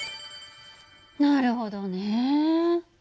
なるほどね。